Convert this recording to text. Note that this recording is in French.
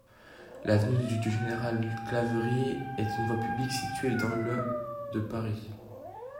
L'avenue du Général-Clavery est une voie publique située dans le de Paris.